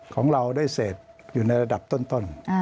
ของเราได้เสพอยู่ในระดับต้น